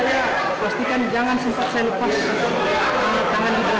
saya pastikan jangan sempat saya lepas tangan di dalam